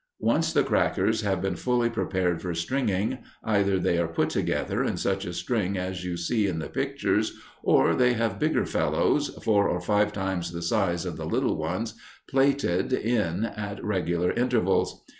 Once the crackers have been fully prepared for stringing, either they are put together in such strings as you see in the pictures or they have bigger fellows four or five times the size of the little ones plaited in at regular intervals.